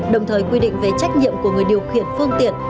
đồng thời quy định về trách nhiệm của người điều khiển phương tiện